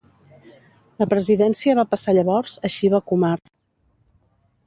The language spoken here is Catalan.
La presidència va passar llavors a Shiva Kumar.